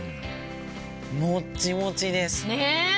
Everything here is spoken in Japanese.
もっちもちです。ねえ！